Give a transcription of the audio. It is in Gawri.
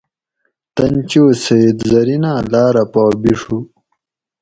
تن چو سید زریناۤں لاۤرہ پا بِیڛو